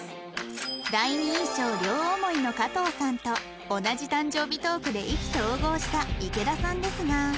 第二印象両思いのかとうさんと同じ誕生日トークで意気投合した池田さんですが